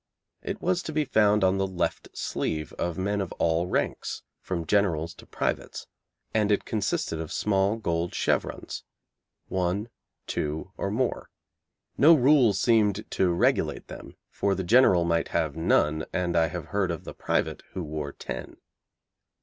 It was to be found on the left sleeve of men of all ranks, from generals to privates, and it consisted of small gold chevrons, one, two, or more. No rule seemed to regulate them, for the general might have none, and I have heard of the private who wore ten.